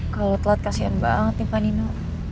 kalau telat kasian banget nih mbak nino